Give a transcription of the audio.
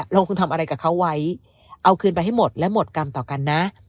ลงทุนทำอะไรกับเขาไว้เอาคืนไปให้หมดและหมดกรรมต่อกันนะ